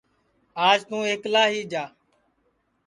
آج توں ایکلا ہی جا